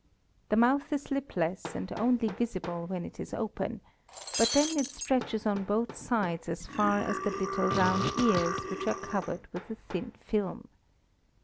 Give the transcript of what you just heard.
The mouth is lipless, and only visible when it is open, but then it stretches on both sides as far as the little round ears, which are covered with a thin film.